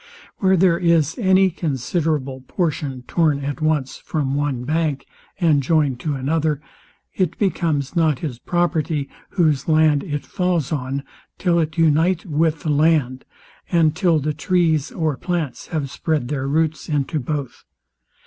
Where there Is any considerable portion torn at once from one bank, and joined to another, it becomes not his property, whose land it falls on, till it unite with the land, and till the trees or plants have spread their roots into both.